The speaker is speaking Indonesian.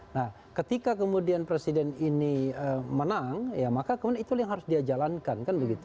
nah ketika kemudian presiden ini menang maka kemudian itu yang harus dia jalankan